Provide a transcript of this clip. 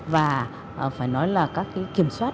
và phải nói là các kiểm soát